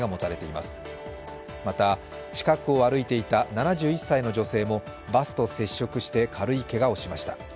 また近くを歩いていた７１歳の女性もバスと接触して軽いけがをしました。